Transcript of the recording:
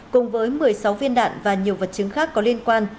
cùng với một mươi sáu viên đạn và nhiều vật chứng khác có liên quan